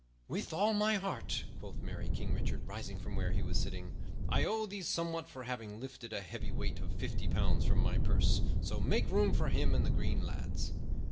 "With all my heart," quoth merry King Richard, rising from where he was sitting. "I owe thee somewhat for having lifted a heavy weight of fifty pounds from my purse. So make room for him on the green, lads."